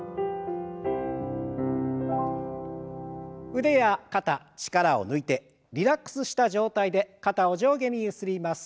腕や肩力を抜いてリラックスした状態で肩を上下にゆすります。